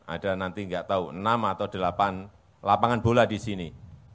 ada nanti nggak tahu enam atau delapan lapangan bola di sini